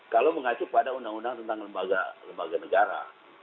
kalau mengacu pada undang undang tentang lembaga lembaga negara